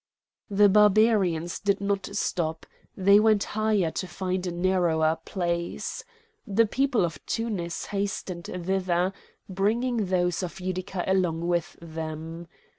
The Barbarians did not stop; they went higher to find a narrower place. The people of Tunis hastened thither, bringing those of Utica along with them.